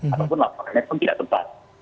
ataupun laporannya pun tidak tepat